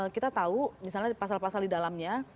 kita tahu misalnya pasal pasal di dalamnya